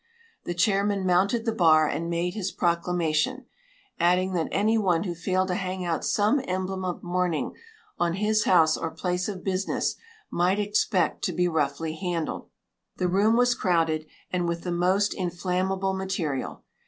The chairman mounted the bar and made his proclamation, adding that anyone who failed to hang out some emblem of mourning on his house or place of business might expect to be roughly handled. The room was crowded, and with the most inflammable material.